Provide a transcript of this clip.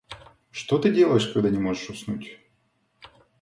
Что ты делаешь, когда не можешь уснуть?